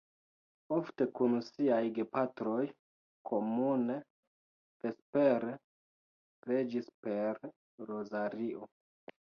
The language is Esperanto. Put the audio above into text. Ofte kun siaj gepatroj komune vespere preĝis per rozario.